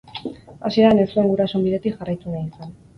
Hasieran ez zuen gurasoen bidetik jarraitu nahi izan.